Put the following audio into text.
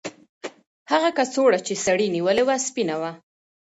هغه کڅوړه چې سړي نیولې وه سپینه وه.